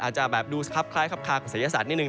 อาจจะดูคลับคล้ายคลับคลากับสายยาศาสตร์นิดหนึ่ง